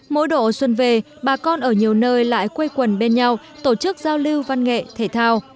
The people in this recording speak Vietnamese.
mỗi độ xuân về bà con ở nhiều nơi lại quây quần bên nhau tổ chức giao lưu văn nghệ thể thao